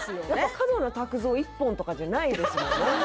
角野卓造１本とかじゃないですもんね